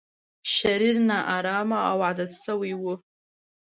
شرير، نا ارامه او عادت شوی و.